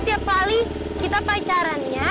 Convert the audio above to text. tiap kali kita pacarannya